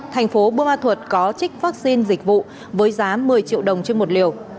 thành phố bô ma thuật có trích vaccine dịch vụ với giá một mươi triệu đồng trên một liều